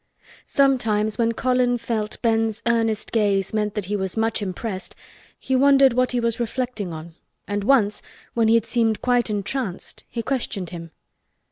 Sometimes when Colin felt Ben's earnest gaze meant that he was much impressed he wondered what he was reflecting on and once when he had seemed quite entranced he questioned him.